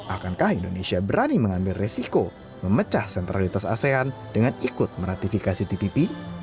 akankah indonesia berani mengambil resiko memecah sentralitas asean dengan ikut meratifikasi tpp